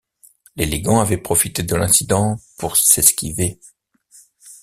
L’élégant avait profité de l’incident pour s’esquiver.